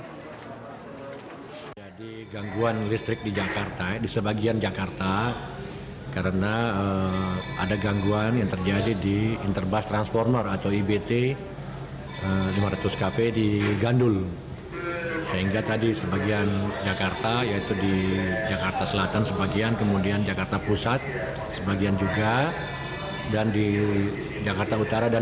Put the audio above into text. pihak pln distribusi jakarta raya segera melakukan manuver atau pengalihan jaringan pasokan listrik di subsistem gandul muara karang